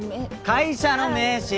会社の名刺！